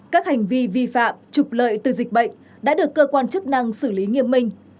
các hành vi vi phạm trục lợi từ dịch bệnh đã được cơ quan chức năng xử lý nghiêm minh